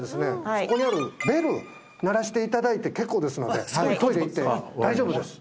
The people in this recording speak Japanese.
そこにあるベル鳴らしていただいて結構ですのでトイレ行って大丈夫です